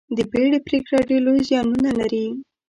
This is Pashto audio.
د بیړې پرېکړه ډېر لوی زیانونه لري.